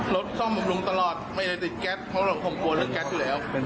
ซ่อมบำรุงตลอดไม่ได้ติดแก๊สเพราะผมกลัวเรื่องแก๊สอยู่แล้ว